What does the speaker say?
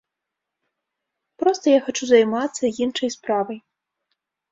Проста я хачу займацца іншай справай.